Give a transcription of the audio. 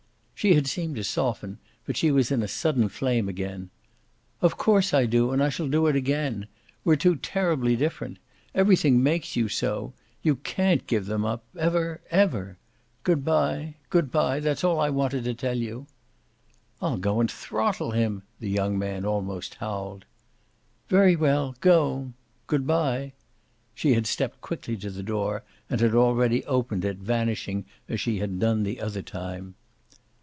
She had seemed to soften, but she was in a sudden flame again. "Of course I do, and I shall do it again. We're too terribly different. Everything makes you so. You CAN'T give them up ever, ever. Good bye good bye! That's all I wanted to tell you." "I'll go and throttle him!" the young man almost howled. "Very well, go! Good bye." She had stepped quickly to the door and had already opened it, vanishing as she had done the other time.